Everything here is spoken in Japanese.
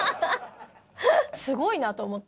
すごいなと思って。